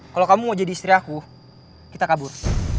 kalau kamu mau jadi istri aku kita kabur